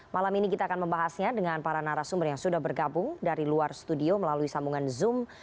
malam ini kita akan membahasnya dengan para narasumber yang sudah bergabung dari luar studio melalui sambungan zoom